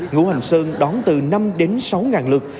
ngũ hành sơn đón từ năm đến sáu lượt